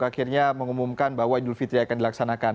akhirnya mengumumkan bahwa idul fitri akan dilaksanakan